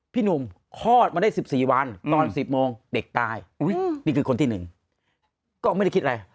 พี่หนุ่มคลอดมาได้๑๔วันตอน๑๐โมงเด็กตายนี่คือคนที่๑ก็ไม่ได้คิดอะไร